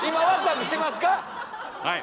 はい。